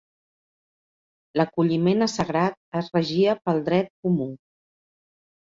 L'acolliment a sagrat es regia pel dret comú.